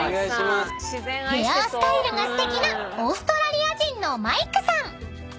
［ヘアスタイルがすてきなオーストラリア人のマイクさん］